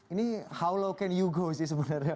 ini sebenarnya how low can you go sih